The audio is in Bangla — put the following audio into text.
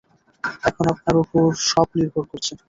এখন আপনার ওপর সব নির্ভর করছে।